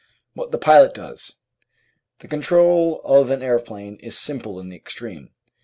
What the Pilot Does The control of an aeroplane is simple in the extreme.